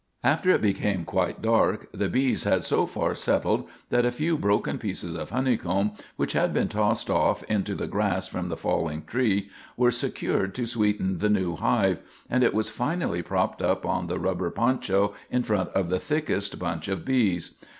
After it became quite dark, the bees had so far settled that a few broken pieces of honeycomb, which had been tossed off into the grass from the falling tree, were secured to sweeten the new hive, and it was finally propped up on the rubber poncho in front of the thickest bunch of bees.